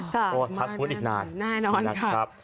ต้องคัดพุนอีกนานแน่นอนค่ะ